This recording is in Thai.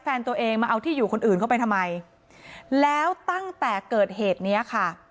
แฟนตัวเองมาเอาที่อยู่คนอื่นเข้าไปทำไมแล้วตั้งแต่เกิดเหตุเนี้ยค่ะ